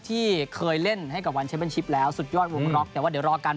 ที่เคยเล่นให้กับวันเชมเป็นชิปแล้วสุดยอดวงล็อกแต่ว่าเดี๋ยวรอกัน